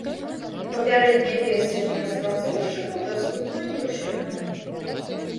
Папярэдняя версія для распрацоўшчыкаў даступная ўжо сёння.